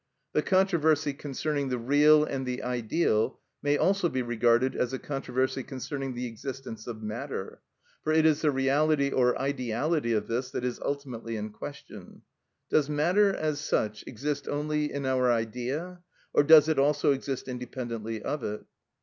The controversy concerning the real and the ideal may also be regarded as a controversy concerning the existence of matter. For it is the reality or ideality of this that is ultimately in question. Does matter, as such, exist only in our idea, or does it also exist independently of it?